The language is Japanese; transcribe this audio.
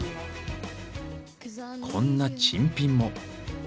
こんな珍品も。